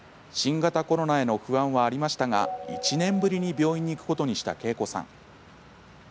新型コロナへの不安はありましたが１年ぶりに病院に行くことにしたけいこさん。